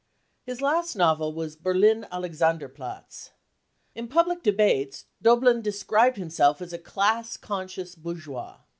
His last novel was Berlin Alexanderplatz . In public debates Doblin described himself as a 46 class conscious bourgeois."